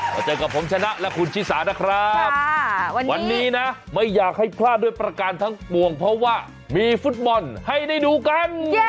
เจอกับผมชนะและคุณชิสานะครับวันนี้นะไม่อยากให้พลาดด้วยประการทั้งปวงเพราะว่ามีฟุตบอลให้ได้ดูกัน